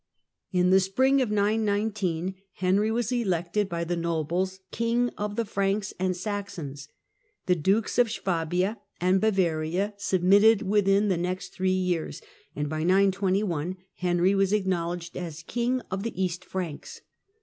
In the spring of 919 Henry was elected by the nobles King of the " Franks and Saxons." The dukes of Swabia and Bavaria submitted within the next three years, and by 921 Henry was acknowledged as " King of the East Franks."